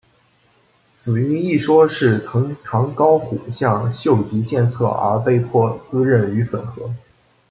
死因一说是藤堂高虎向秀吉献策而被迫自刃于粉河。